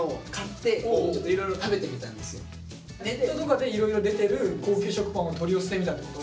ネットとかでいろいろ出てる高級食パンを取り寄せてみたってこと？